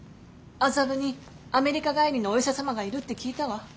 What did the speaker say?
麻布にアメリカ帰りのお医者様がいるって聞いたわ。